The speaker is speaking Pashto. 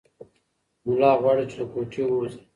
ملا غواړي چې له کوټې ووځي.